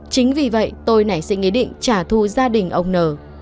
chính vì vậy tôi nảy sinh ý định trả thù gia đình ông n